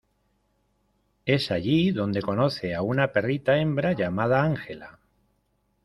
Es allí donde conoce a una perrita hembra llamada Ángela.